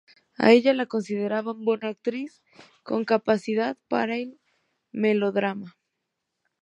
A ella la consideraban buena actriz, con capacidad para el melodrama.